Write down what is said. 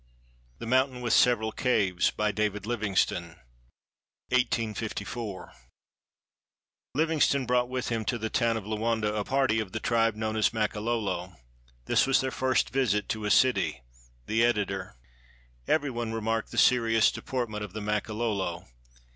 *'THE MOUNTAIN WITH SEVERAL CAVES" BY DAVID LIVINGSTONE [LiMNGSTONE brought with him to the town of Loanda a party of the tribe known as Makololo. This was their first visit to a city. The Editor.] Every one remarked the serious deportment of the Makololo.